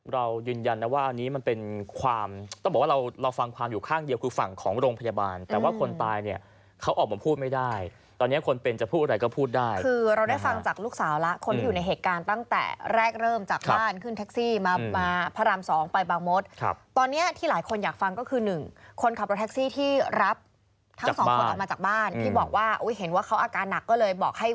เรายืนยันนะว่าอันนี้มันเป็นความต้องบอกว่าเราฟังความอยู่ข้างเดียวคือฝั่งของโรงพยาบาลแต่ว่าคนตายเนี่ยเขาออกมาพูดไม่ได้ตอนเนี้ยคนเป็นจะพูดอะไรก็พูดได้คือเราได้ฟังจากลูกสาวแล้วคนที่อยู่ในเหตุการณ์ตั้งแต่แรกเริ่มจากบ้านขึ้นแท็กซี่มามาพระรามสองไปบางมศครับตอนเนี้ยที่หลายคนอยากฟังก็คือหนึ่งคนขับ